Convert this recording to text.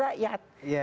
yang menghibur rakyat